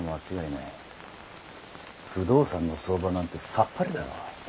不動産の相場なんてさっぱりだろう。